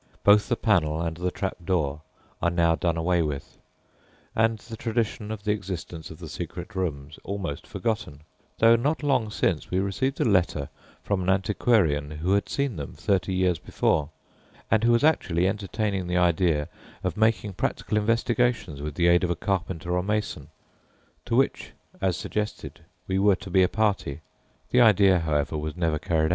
Both the panel and the trap door are now done away with, and the tradition of the existence of the secret rooms almost forgotten, though not long since we received a letter from an antiquarian who had seen them thirty years before, and who was actually entertaining the idea of making practical investigations with the aid of a carpenter or mason, to which, as suggested, we were to be a party; the idea, however, was never carried out.